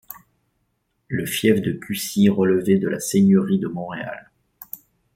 Le fief de Cussy relevait de la seigneurie de Montréal.